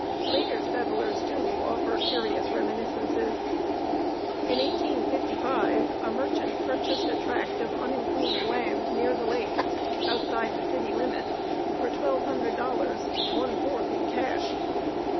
Later settlers, too, offer curious reminiscences. In 1855, a merchant purchased a tract of unimproved land near the lake, outside the city limits, for twelve hundred dollars, one fourth in cash.